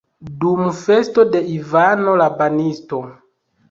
Dum festo de Ivano la Banisto!